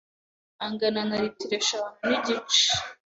angana na Litiro eshanu nigice